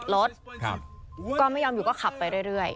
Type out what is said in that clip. แล้วทำยังไง